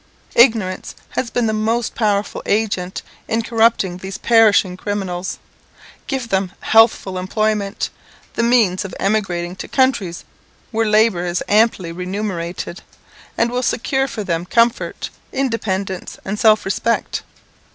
Ignorance has been the most powerful agent in corrupting these perishing criminals. Give them healthful employment, the means of emigrating to countries where labour is amply remunerated, and will secure for them comfort, independence, and self respect.